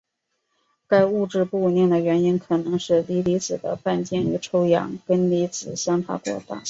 该物质不稳定的原因可能是锂离子的半径与臭氧根离子相差过大。